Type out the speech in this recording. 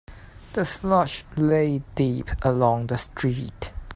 The slush lay deep along the street.